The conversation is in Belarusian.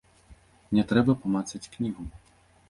Мне трэба памацаць кнігу.